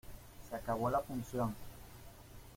Se acabó la función.